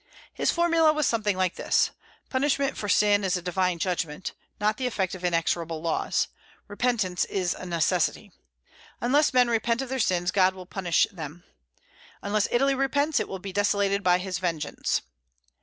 His formula was something like this: "Punishment for sin is a divine judgment, not the effect of inexorable laws. Repentance is a necessity. Unless men repent of their sins, God will punish them. Unless Italy repents, it will be desolated by His vengeance."